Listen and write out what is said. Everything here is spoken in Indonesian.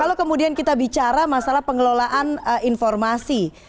kalau kemudian kita bicara masalah pengelolaan informasi